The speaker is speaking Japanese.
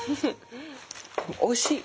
おいしい。